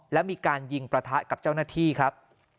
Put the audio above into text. และมีการยิงประทะกับเจ้าหน้าที่ครับ